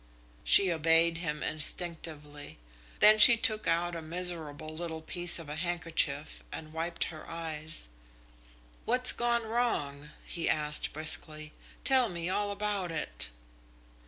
She obeyed him instinctively. Then she took out a miserable little piece of a handkerchief and wiped her eyes. "What's gone wrong?" he asked briskly. "Tell me all about it."